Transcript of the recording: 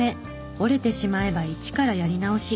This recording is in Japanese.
折れてしまえば一からやり直し。